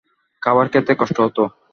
খাবার খেতে কষ্ট হতো?